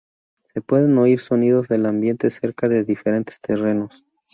Se pueden oír sonidos del ambiente cerca de diferentes terrenos.